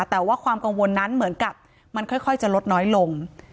แต่ว่าความกังวลนั้นเหมือนกับมันค่อยจะลดน้อยลง